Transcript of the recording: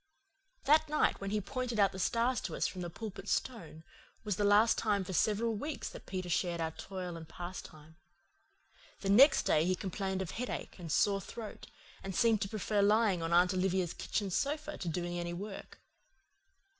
That night when he pointed out the stars to us from the Pulpit Stone was the last time for several weeks that Peter shared our toil and pastime. The next day he complained of headache and sore throat, and seemed to prefer lying on Aunt Olivia's kitchen sofa to doing any work.